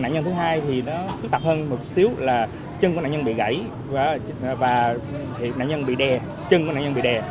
nạn nhân thứ hai thì nó phức tạp hơn một xíu là chân của nạn nhân bị gãy và nạn nhân bị đè chân của nạn nhân bị đè